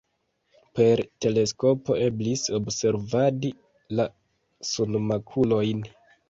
Per teleskopo eblis observadi la sunmakulojn.